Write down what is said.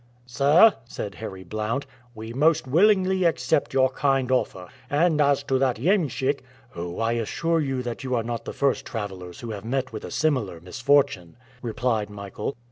"Sir," said Harry Blount, "we most willingly accept your kind offer. And, as to that iemschik " "Oh! I assure you that you are not the first travelers who have met with a similar misfortune," replied Michael.